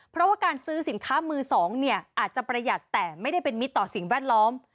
เพราะว่าการซื้อสินค้ามือสองเนี่ยอาจจะประหยัดแต่ไม่ได้เป็นมิตรต่อสิ่งแวดล้อม